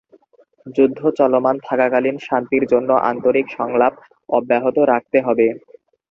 যুদ্ধ চলমান থাকাকালীন, শান্তির জন্য আন্তরিক সংলাপ অব্যাহত রাখতে হবে।